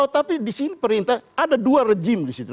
tapi disini perintah ada dua rejim disitu